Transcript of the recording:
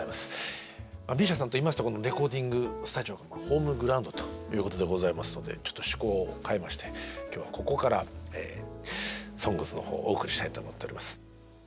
ＭＩＳＩＡさんといいますとレコーディングスタジオがホームグラウンドということでございますのでちょっと趣向を変えまして今日はここから「ＳＯＮＧＳ」の方をお送りしたいと思っております。